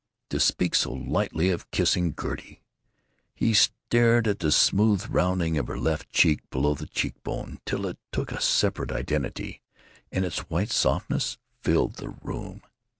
To speak so lightly of kissing Gertie! He stared at the smooth rounding of her left cheek below the cheek bone till it took a separate identity, and its white softness filled the room.